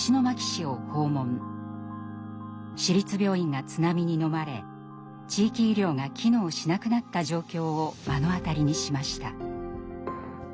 市立病院が津波にのまれ地域医療が機能しなくなった状況を目の当たりにしました。